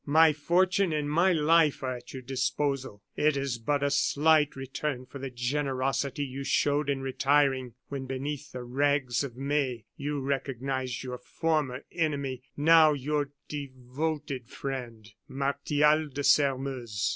My fortune and my life are at your disposal. It is but a slight return for the generosity you showed in retiring, when, beneath the rags of May, you recognized your former enemy, now your devoted friend, "Martial de Sairmeuse."